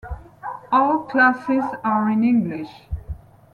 All classes are in English.